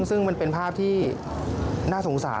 ซึ่งมันเป็นภาพที่น่าสงสาร